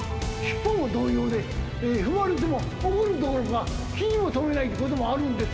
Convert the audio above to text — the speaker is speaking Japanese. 尻尾も同様で踏まれても怒るどころか気にも留めないこともあるんです。